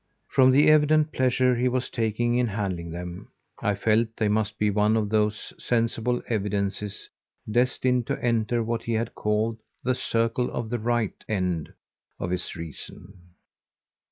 From the evident pleasure he was taking in handling them I felt they must be one of those sensible evidences destined to enter what he had called the circle of the right end of his reason.